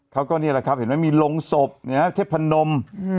เขาก็มีโรงศพเทพนม